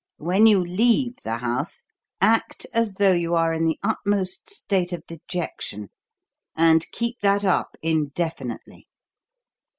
When you leave the house, act as though you are in the utmost state of dejection and keep that up indefinitely.